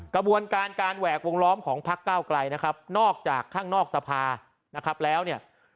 กระบวนการการแหวกวงล้อมของพักเก้าไกลนะครับนอกจากข้างนอกสภานะครับแล้วเนี่ย